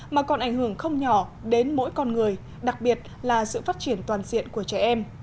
mà còn ảnh hưởng không nhỏ đến mỗi con người đặc biệt là sự phát triển toàn diện của trẻ em